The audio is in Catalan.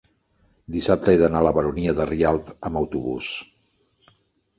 dissabte he d'anar a la Baronia de Rialb amb autobús.